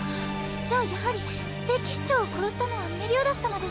じゃあやはり聖騎士長を殺したのはメリオダス様では。